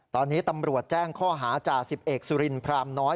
ตอนนี้ตำรวจแจ้งข้อหาจ่าสิบเอกสุรินพรามน้อย